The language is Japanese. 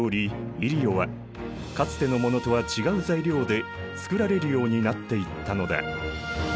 イリオはかつてのものとは違う材料で作られるようになっていったのだ。